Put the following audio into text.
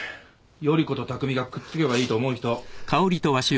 依子と巧がくっつけばいいと思う人。